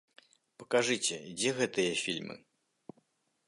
Пакажыце, дзе гэтыя фільмы!